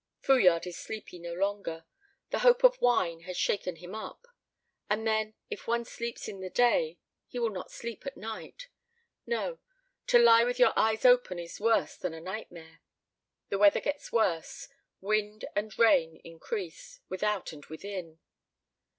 Fouillade is sleepy no longer; the hope of wine has shaken him up. And then, if one sleeps in the day, he will not sleep at night. No! To lie with your eyes open is worse than a nightmare. The weather gets worse; wind and rain increase, without and within.